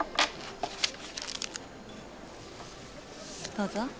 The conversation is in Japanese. どうぞ。